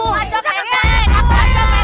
pak rt pak rt pak rt